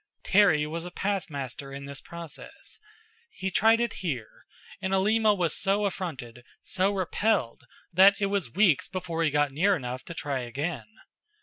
Terry was a past master in this process. He tried it here, and Alima was so affronted, so repelled, that it was weeks before he got near enough to try again.